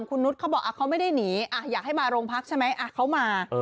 คุณนุษย์เขาบอกเขาไม่ได้หนีอยากให้มาโรงพักใช่ไหมเขามา